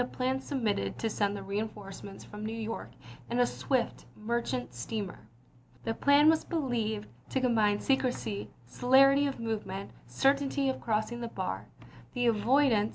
plan substituted to send the reinforcements from New York in a swift merchant steamer. The plan was believed to combine secrecy, celerity of move ment, certainty of crossing the bar, the avoidance 96 ABEAHAM LINCOLN Memoran dum, Jan.